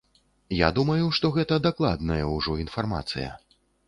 Я думаю, што гэта дакладная ўжо інфармацыя.